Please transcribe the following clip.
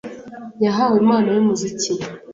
Yahawe impano yumuziki.